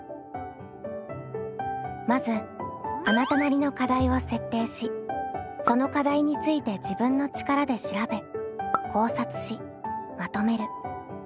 まずあなたなりの課題を設定しその課題について自分の力で調べ考察しまとめる。